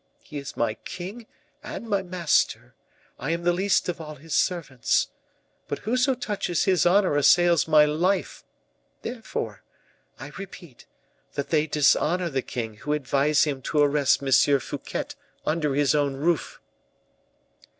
He is my king and my master; I am the least of all his servants. But whoso touches his honor assails my life. Therefore, I repeat, that they dishonor the king who advise him to arrest M. Fouquet under his own roof."